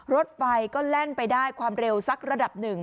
รถไฟก็แล่นไปได้ความเร็วสักระดับหนึ่ง